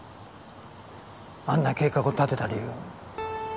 あんな計画を立てた理由。